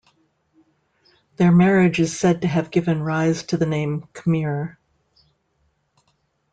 Their marriage is said to have given rise to the name Khmer.